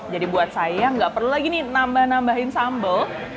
jadi buat saya nggak perlu lagi nih nambah nambahin sambel